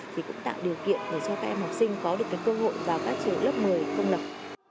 thì cũng tạo điều kiện để cho các em học sinh có được cái cơ hội vào các trường lớp một mươi công lập